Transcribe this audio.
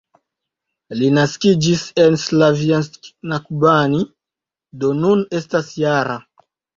Li naskiĝis en Slavjansk-na-Kubani, do nun estas -jara.